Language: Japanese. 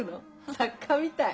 作家みたい！